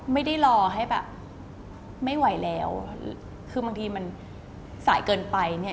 ไม่ได้รอให้แบบไม่ไหวแล้วคือบางทีมันสายเกินไปเนี่ย